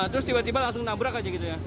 terus tiba tiba langsung nabrak aja gitu ya